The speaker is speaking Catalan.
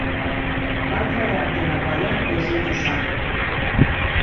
L'altre drac de la colla és el Jussà.